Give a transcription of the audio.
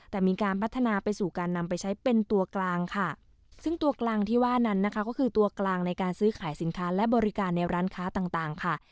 แต่มีการพัฒนาไปสู่การนำไปใช้เป็นตัวกลางค่ะซึ่งตัวกลางที่ว่านั้นนะคะก็คือตัวกลางในการซื้อขายสินค้าและบริการในร้านค้าต่างต่างค่ะ